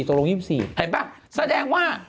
๒๔ตกลง๒๔เห็นเปล่าแสดงว่า